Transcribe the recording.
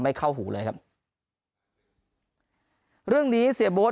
เข้าหูเลยครับเรื่องนี้เสียโบ๊ท